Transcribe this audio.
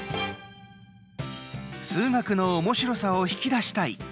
数学のおもしろさを引き出したい。